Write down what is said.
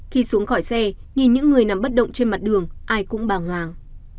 khi xuống khỏi xe nhìn những người nằm bất động trên mặt đường ai cũng bàng hoàng